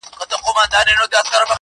ستړې سوې مو درګاه ته یم راغلې!